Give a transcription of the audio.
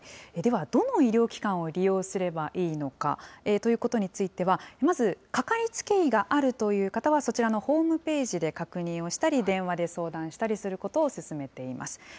では、どの医療機関を利用すればいいのかということについては、まずかかりつけ医があるという方はそちらのホームページで確認をしたり、電話で相談したりすることを勧めています。